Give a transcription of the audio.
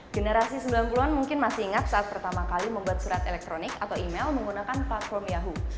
generasi sembilan puluh an mungkin masih ingat saat pertama kali membuat surat elektronik atau email menggunakan platform yahoo